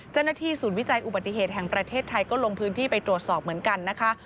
เจ้าหน้าที่ศูนย์วิจัยอุบัติเหตุแห่งประเทศไทยก็ลงพื้นที่ไปตรวจสอบเหมือนกันนะคะ